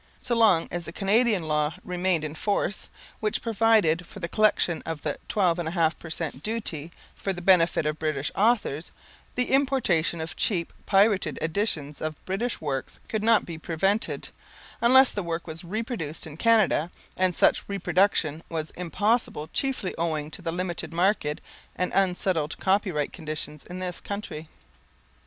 So long as the Canadian law remained in force which provided for the collection of the 12 1/2% duty for the benefit of British authors, the importation of cheap pirated editions of British works could not be prevented, unless the work was reproduced in Canada, and such reproduction was impossible chiefly owing to the limited market and unsettled copyright conditions in this country.